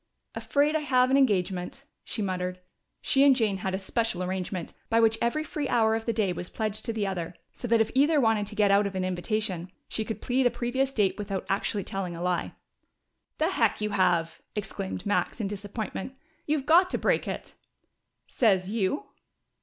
"Afraid I have an engagement," she muttered. She and Jane had a special arrangement, by which every free hour of the day was pledged to the other, so that if either wanted to get out of an invitation, she could plead a previous date without actually telling a lie. "The heck you have!" exclaimed Max, in disappointment. "You've got to break it!" "Sez you?"